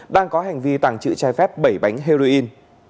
đang có hành vi tàng trữ trái phép bảy bánh heroin